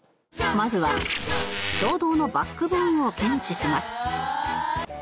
まずは衝動のバックボーンを見知します